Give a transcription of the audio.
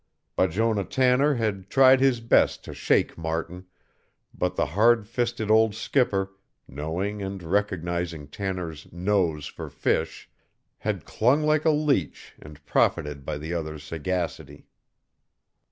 Bijonah Tanner had tried his best to shake Martin, but the hard fisted old skipper, knowing and recognizing Tanner's "nose" for fish, had clung like a leech and profited by the other's sagacity.